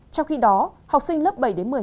trong khi đó học sinh lớp bảy một mươi hai